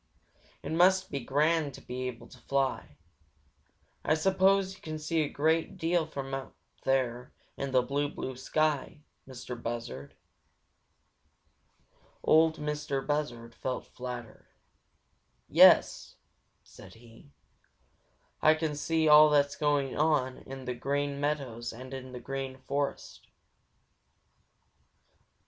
It must be grand to be able to fly. I suppose you can see a great deal from way up there in the blue, blue sky, Mistah Buzzard." Ol' Mistah Buzzard felt flattered. "Yes," said he, "Ah can see all that's going on on the Green Meadows and in the Green Forest."